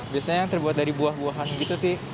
biasanya yang terbuat dari buah buahan gitu sih